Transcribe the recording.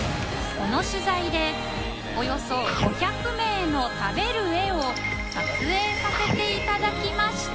この取材でおよそ５００名の食べる絵を撮影させていただきました